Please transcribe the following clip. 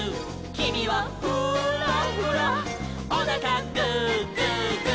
「きみはフーラフラ」「おなかグーグーグー」